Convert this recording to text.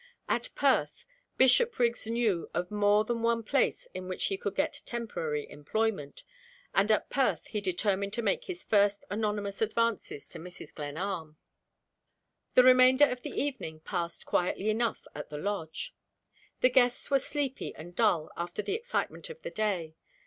At Perth, Bishopriggs knew of more than one place in which he could get temporary employment and at Perth he determined to make his first anonymous advances to Mrs. Glenarm. The remainder of the evening passed quietly enough at the Lodge. The guests were sleepy and dull after the excitement of the day.